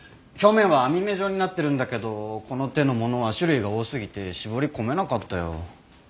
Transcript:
表面は網目状になってるんだけどこの手のものは種類が多すぎて絞り込めなかったよ。